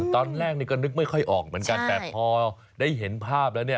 ตอนแรกนี่ก็นึกไม่ค่อยออกเหมือนกันแต่พอได้เห็นภาพแล้วเนี่ย